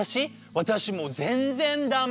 私もう全然ダメ。